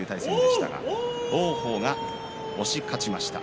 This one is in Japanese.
王鵬が押し勝ちました。